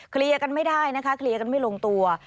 เคลียร์กันไม่ได้นะคะเคลียร์กันไม่ลงตัว